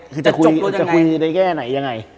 คือจะคุยในแง่ไหนยังไง